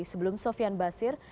sebelum sofian basir